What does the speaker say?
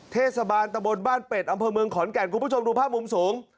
เทศบาลตะบนบ้านเป็ดอำเภอเมืองขอนแก่นคุณผู้ชมดูภาพมุมสูง